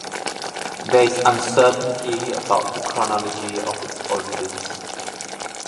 There is uncertainty about the chronology of its origins.